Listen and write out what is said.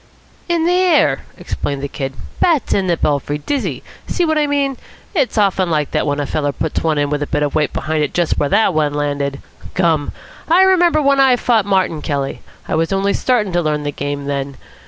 "In the air," explained the Kid. "Bats in the belfry. Dizzy. See what I mean? It's often like that when a feller puts one in with a bit of weight behind it just where that one landed. Gum! I remember when I fought Martin Kelly; I was only starting to learn the game then.